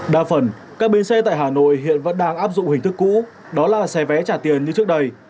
đa phần các bến xe tại hà nội hiện vẫn đang áp dụng hình thức cũ đó là xe vé trả tiền như trước đây